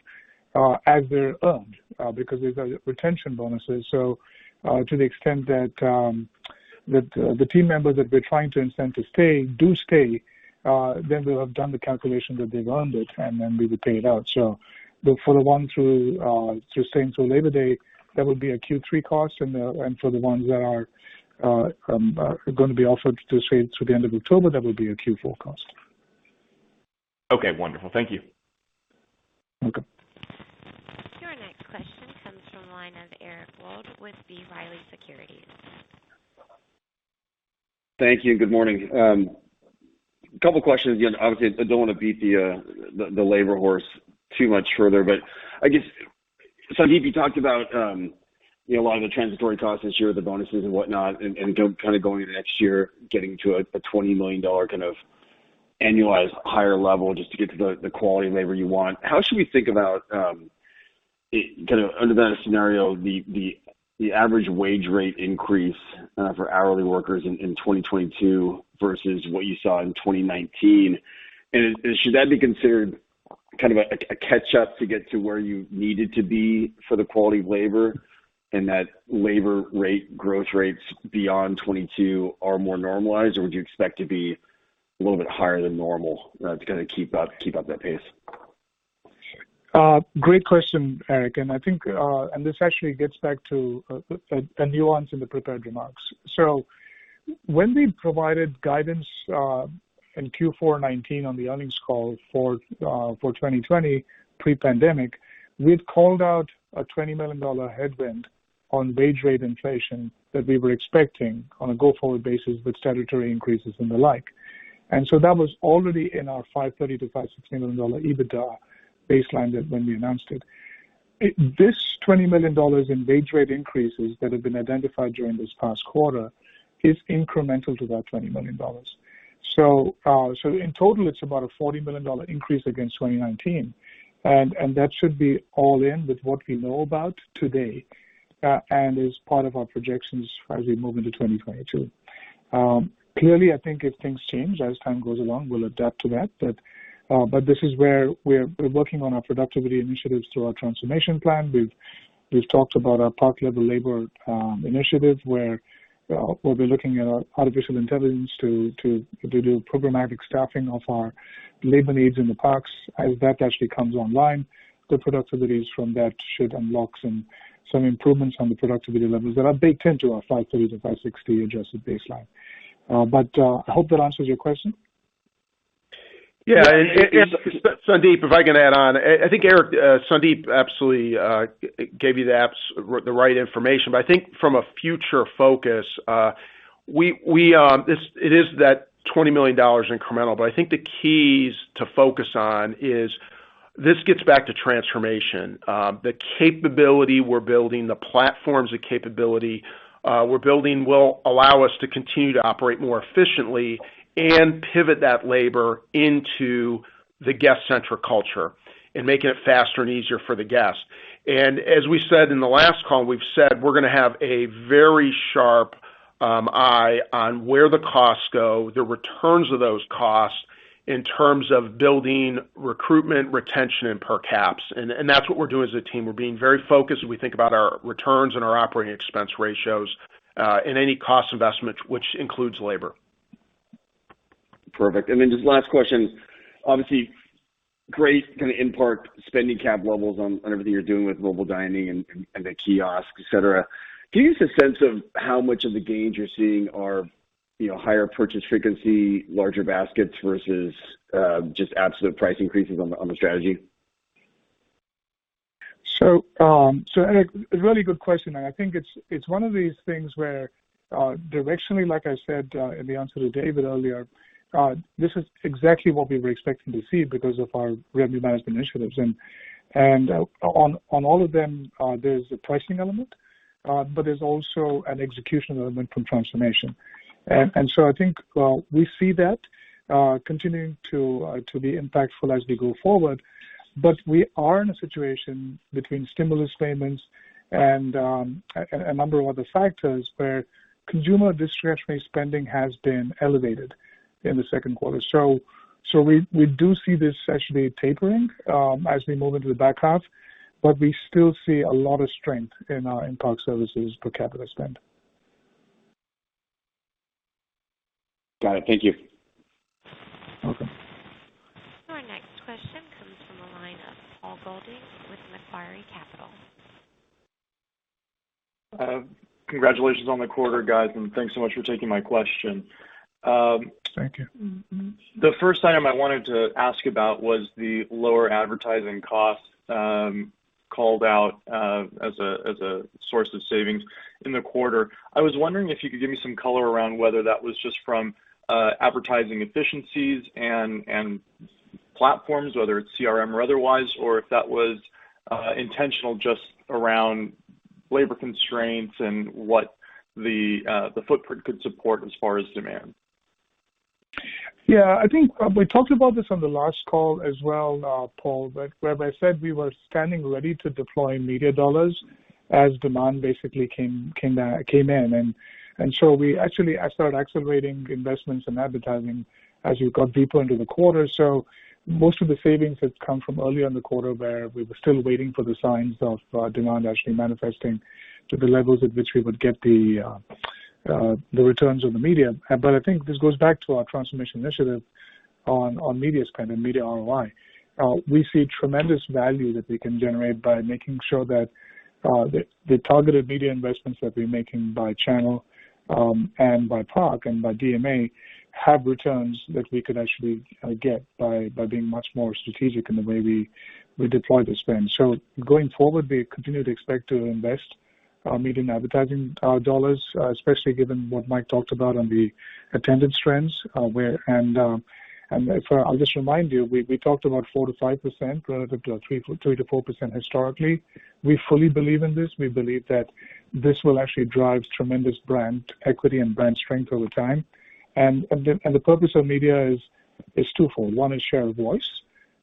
as they're earned, because these are retention bonuses. To the extent that the team members that we're trying to incent to stay do stay, then we'll have done the calculation that they've earned it and then we would pay it out. For the one through staying through Labor Day, that would be a Q3 cost and for the ones that are going to be offered to stay through the end of October, that would be a Q4 cost. Okay, wonderful. Thank you. Welcome. Your next question comes from the line of Eric Wold with B. Riley Securities. Thank you. Good morning. Couple questions. Again, obviously, I don't want to beat the labor horse too much further, but I guess, Sandeep, you talked about a lot of the transitory costs this year with the bonuses and whatnot and kind of going into next year getting to a $20 million kind of annualized higher level just to get to the quality of labor you want. How should we think about kind of under that scenario, the average wage rate increase for hourly workers in 2022 versus what you saw in 2019? Should that be considered kind of a catch-up to get to where you needed to be for the quality of labor and that labor rate growth rates beyond 2022 are more normalized or would you expect to be a little bit higher than normal to kind of keep up that pace? Great question, Eric. This actually gets back to a nuance in the prepared remarks. When we provided guidance in Q4 2019 on the earnings call for 2020 pre-pandemic, we'd called out a $20 million headwind on wage rate inflation that we were expecting on a go-forward basis with statutory increases and the like. That was already in our $530 million-$516 million EBITDA baseline when we announced it. This $20 million in wage rate increases that have been identified during this past quarter is incremental to that $20 million. In total, it's about a $40 million increase against 2019, and that should be all in with what we know about today, and is part of our projections as we move into 2022. Clearly, I think if things change, as time goes along, we'll adapt to that. This is where we're working on our productivity initiatives through our transformation plan. We've talked about our park-level labor initiatives, where we'll be looking at artificial intelligence to do programmatic staffing of our labor needs in the parks. As that actually comes online, the productivities from that should unlock some improvements on the productivity levels that are baked into our $530 million-$560 million adjusted baseline. I hope that answers your question. Sandeep, if I can add on. I think, Eric, Sandeep absolutely gave you the right information. I think from a future focus, it is that $20 million incremental. I think the keys to focus on is this gets back to transformation. The capability we're building, the platforms of capability we're building will allow us to continue to operate more efficiently and pivot that labor into the guest-centric culture and making it faster and easier for the guest. As we said in the last call, we've said we're going to have a very sharp eye on where the costs go, the returns of those costs in terms of building recruitment, retention, and per caps. That's what we're doing as a team. We're being very focused as we think about our returns and our operating expense ratios in any cost investment, which includes labor. Perfect. Just last question. Obviously, great kind of in-park spending cap levels on everything you're doing with mobile dining and the kiosks, et cetera. Do you have a sense of how much of the gains you're seeing are higher purchase frequency, larger baskets, versus just absolute price increases on the strategy? Eric, a really good question, and I think it's one of these things where directionally, like I said in the answer to David earlier, this is exactly what we were expecting to see because of our revenue management initiatives. On all of them, there's a pricing element, but there's also an execution element from transformation. I think we see that continuing to be impactful as we go forward. We are in a situation between stimulus payments and a number of other factors where consumer discretionary spending has been elevated in the second quarter. We do see this actually tapering as we move into the back half, but we still see a lot of strength in our in-park services per capita spend. Got it. Thank you. Welcome. Our next question comes from the line of Paul Golding with Macquarie Capital. Congratulations on the quarter, guys, and thanks so much for taking my question. Thank you. The first item I wanted to ask about was the lower advertising cost called out as a source of savings in the quarter. I was wondering if you could give me some color around whether that was just from advertising efficiencies and platforms, whether it's CRM or otherwise, or if that was intentional just around labor constraints and what the footprint could support as far as demand. I think we talked about this on the last call as well, Paul, where I said we were standing ready to deploy media dollars as demand basically came in. Actually, I started accelerating investments in advertising as we got deeper into the quarter. Most of the savings had come from earlier in the quarter, where we were still waiting for the signs of demand actually manifesting to the levels at which we would get the returns on the media. I think this goes back to our transformation initiative on media spend and media ROI. We see tremendous value that we can generate by making sure that the targeted media investments that we're making by channel, and by park, and by DMA have returns that we could actually get by being much more strategic in the way we deploy the spend. Going forward, we continue to expect to invest our media and advertising dollars, especially given what Mike talked about on the attendance trends. I'll just remind you, we talked about 4%-5% relative to our 3%-4% historically. We fully believe in this. We believe that this will actually drive tremendous brand equity and brand strength over time. The purpose of media is twofold. One is share of voice,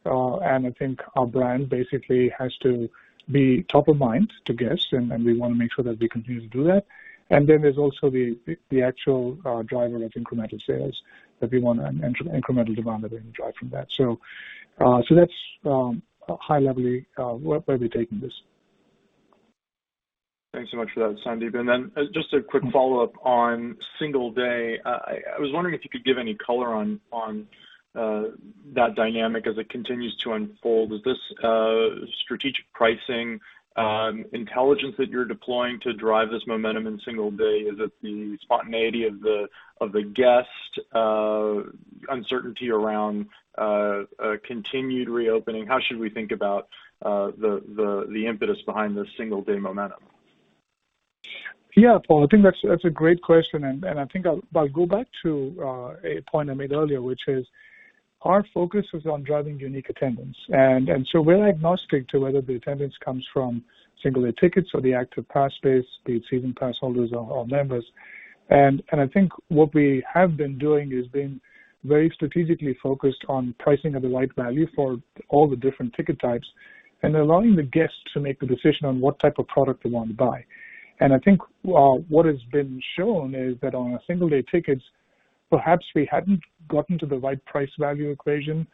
and I think our brand basically has to be top of mind to guests, and we want to make sure that we continue to do that. There's also the actual driver of incremental sales that we want, and incremental demand that we can drive from that. That's high-level where we're taking this. Thanks so much for that, Sandeep. Just a quick follow-up on single day. I was wondering if you could give any color on that dynamic as it continues to unfold. Is this strategic pricing intelligence that you're deploying to drive this momentum in single day? Is it the spontaneity of the guest uncertainty around a continued reopening? How should we think about the impetus behind the single day momentum? Paul, I think that's a great question. I think I'll go back to a point I made earlier, which is our focus is on driving unique attendance. We're agnostic to whether the attendance comes from single-day tickets or the active pass base, the season pass holders or members. I think what we have been doing is being very strategically focused on pricing at the right value for all the different ticket types and allowing the guests to make the decision on what type of product they want to buy. I think what has been shown is that on a single-day ticket, perhaps we hadn't gotten to the right price-value equation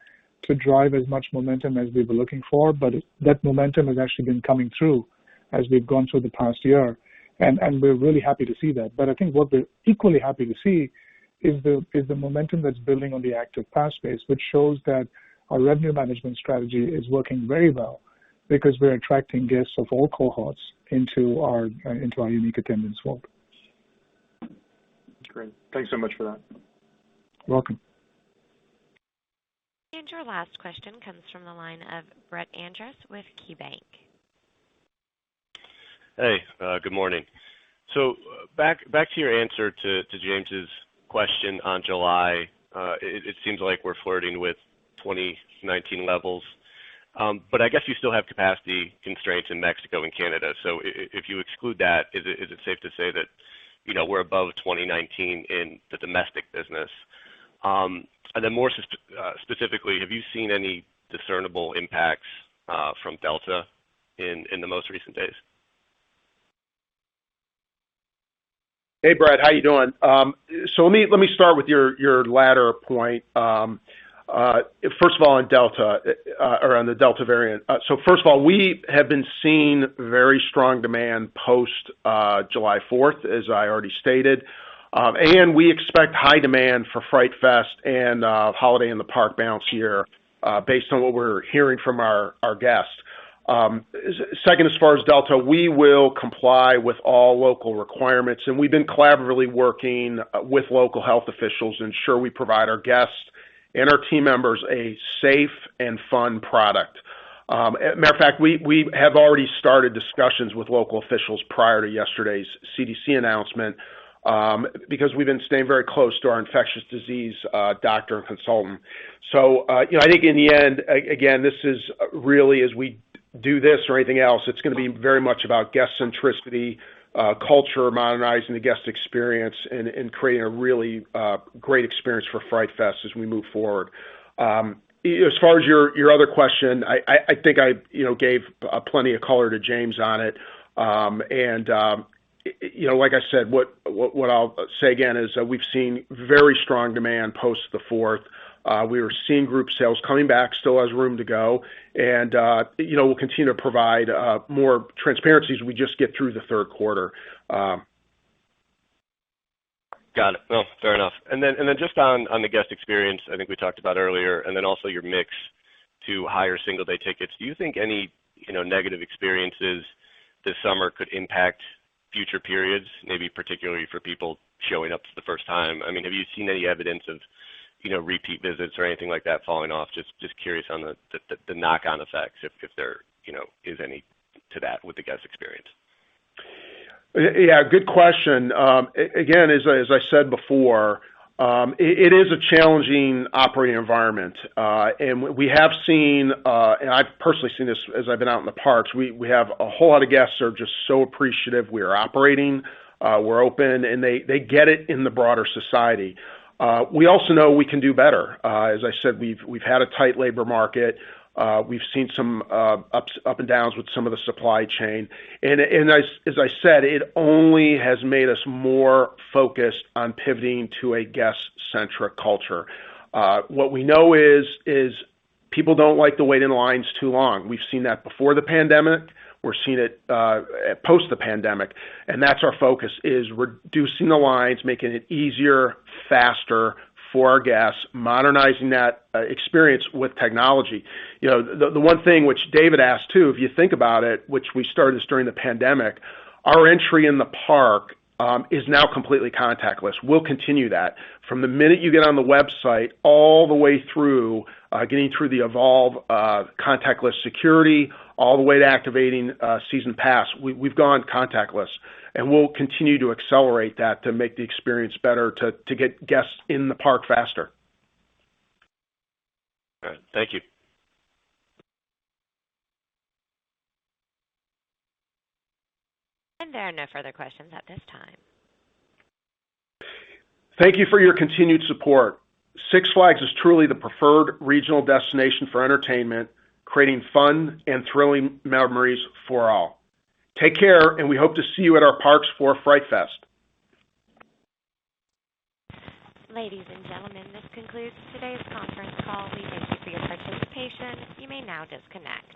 to drive as much momentum as we were looking for, but that momentum has actually been coming through as we've gone through the past year. We're really happy to see that. I think what we're equally happy to see is the momentum that's building on the active pass base, which shows that our revenue management strategy is working very well because we're attracting guests of all cohorts into our unique attendance fold. Great. Thanks so much for that. Welcome. Your last question comes from the line of Brett Andress with KeyBanc. Hey, good morning. Back to your answer to James's question on July. It seems like we're flirting with 2019 levels, but I guess you still have capacity constraints in Mexico and Canada. If you exclude that, is it safe to say that we're above 2019 in the domestic business? More specifically, have you seen any discernible impacts from Delta in the most recent days? Hey, Brett, how are you doing? Let me start with your latter point. First of all, on the Delta variant. First of all, we have been seeing very strong demand post July 4th, as I already stated. We expect high demand for Fright Fest and Holiday in the Park bounce here based on what we're hearing from our guests. Second, as far as Delta, we will comply with all local requirements, and we've been collaboratively working with local health officials to ensure we provide our guests and our team members a safe and fun product. Matter of fact, we have already started discussions with local officials prior to yesterday's CDC announcement because we've been staying very close to our infectious disease doctor and consultant. I think in the end, again, this is really as we do this or anything else, it's going to be very much about guest centricity, culture, modernizing the guest experience, and creating a really great experience for Fright Fest as we move forward. As far as your other question, I think I gave plenty of color to James on it. And like I said, what I'll say again is we've seen very strong demand post the fourth. We are seeing group sales coming back, still has room to go, and we'll continue to provide more transparency as we just get through the third quarter. Got it. Well, fair enough. Just on the guest experience, I think we talked about earlier, and then also your mix to higher single-day tickets. Do you think any negative experiences this summer could impact future periods, maybe particularly for people showing up for the first time? Have you seen any evidence of repeat visits or anything like that falling off? Just curious on the knock-on effects, if there is any to that with the guest experience. Yeah, good question. Again, as I said before, it is a challenging operating environment. We have seen, and I've personally seen this as I've been out in the parks, we have a whole lot of guests who are just so appreciative we are operating, we're open, and they get it in the broader society. We also know we can do better. As I said, we've had a tight labor market. We've seen some up and downs with some of the supply chain. As I said, it only has made us more focused on pivoting to a guest-centric culture. What we know is people don't like to wait in lines too long. We've seen that before the pandemic. We're seeing it post the pandemic. That's our focus is reducing the lines, making it easier, faster for our guests, modernizing that experience with technology. The one thing which David asked, too, if you think about it, which we started this during the pandemic, our entry in the park is now completely contactless. We'll continue that. From the minute you get on the website all the way through getting through the Evolv contactless security, all the way to activating season pass, we've gone contactless, and we'll continue to accelerate that to make the experience better to get guests in the park faster. All right. Thank you. There are no further questions at this time. Thank you for your continued support. Six Flags is truly the preferred regional destination for entertainment, creating fun and thrilling memories for all. Take care, we hope to see you at our parks for Fright Fest. Ladies and gentlemen, this concludes today's conference call. We thank you for your participation. You may now disconnect.